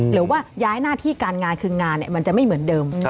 หรือว่าย้ายหน้าที่การงานคืองานมันจะไม่เหมือนเดิม